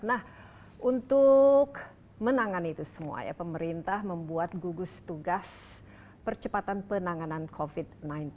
nah untuk menangani itu semua ya pemerintah membuat gugus tugas percepatan penanganan covid sembilan belas